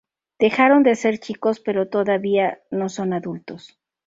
Dejaron de ser chicos, pero todavía no son adultos.